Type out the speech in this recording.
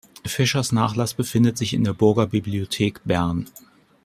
Fischers Nachlass befindet sich in der Burgerbibliothek Bern.